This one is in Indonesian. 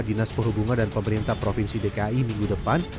dinas perhubungan dan pemerintah provinsi dki minggu depan